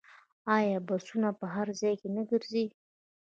آیا بسونه په هر ځای کې نه ګرځي؟